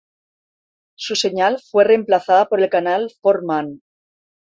Su señal fue reemplazada por el canal For Man.